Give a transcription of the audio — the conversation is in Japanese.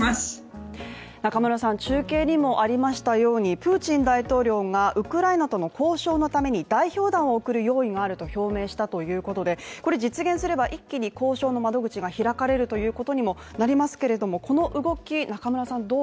中継にもありましたようにプーチン大統領がウクライナとの交渉のために代表団を送る用意があると表明したということでこれ実現すれば一気に交渉の窓口が開かれることになりますけれどもこの動き、中村さん